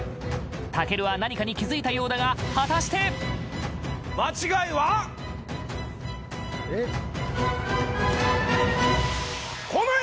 健は何かに気付いたようだが果たして間違いはこのエリアだ！